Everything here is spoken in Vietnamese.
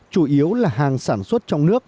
chủ yếu là hàng ngân sách